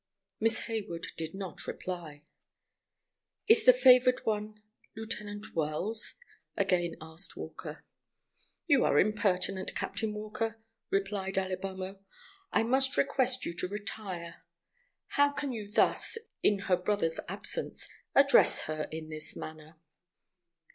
Miss Hayward did not reply. "Is the favored one Lieutenant Wells?" again asked Walker. "You are impertinent, Captain Walker," replied Alibamo. "I must request you to retire. How can you thus, in her brother's absence, address her in this manner?"